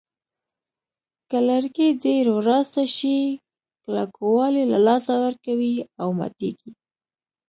که لرګي ډېر وراسته شي کلکوالی له لاسه ورکوي او ماتېږي.